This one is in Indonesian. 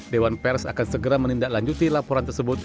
dewan pers akan segera menindaklanjuti laporan tersebut